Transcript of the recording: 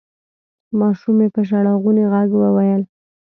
ماشومې په ژړغوني غږ وویل: